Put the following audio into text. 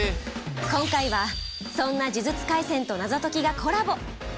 今回はそんな『呪術廻戦』と謎解きがコラボ